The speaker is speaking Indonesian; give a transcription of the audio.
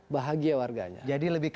bahagia warganya jadi